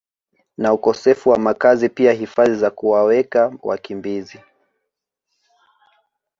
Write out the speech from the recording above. na ukosefu wa makazi pia hifadhi za kuwaweka wakimbizi